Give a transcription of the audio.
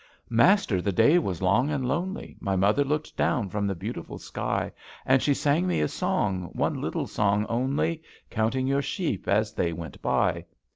Master, the day was long and lonely, My mother looked down from the beautiful sky And she sang me a song, one little song only, Counting your sheep as they went by.